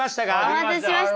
お待たせしました。